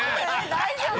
大丈夫？